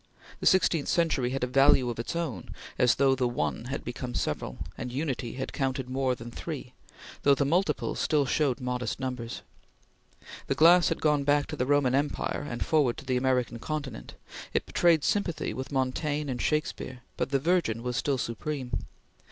The sixteenth century had a value of its own, as though the ONE had become several, and Unity had counted more than Three, though the Multiple still showed modest numbers. The glass had gone back to the Roman Empire and forward to the American continent; it betrayed sympathy with Montaigne and Shakespeare; but the Virgin was still supreme.